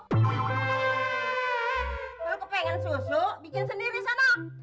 kalau lo pengen susu bikin sendiri sono